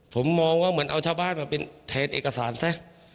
ผมมองว่าเหมือนเอาชาวบ้านมาเป็นแทนเอกสารซะ